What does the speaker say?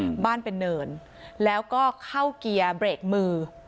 อืมบ้านเป็นเนินแล้วก็เข้าเกียร์เบรกมือ